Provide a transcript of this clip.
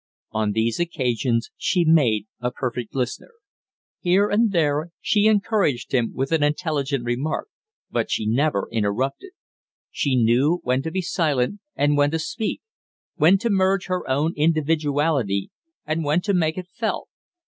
On these occasions she made a perfect listener. Here and there she encouraged him with an intelligent remark, but she never interrupted. She knew when to be silent and when to speak; when to merge her own individuality and when to make it felt.